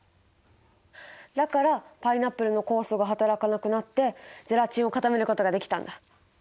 だからパイナップルの酵素がはたらかなくなってゼラチンを固めることができたんだ。